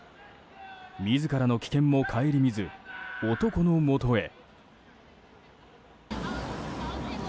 自らの危険も顧みず男のもとへ。